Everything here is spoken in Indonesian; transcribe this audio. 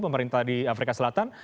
pemerintah di afrika selatan